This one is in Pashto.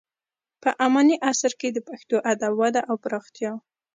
په اماني عصر کې د پښتو ادب وده او پراختیا: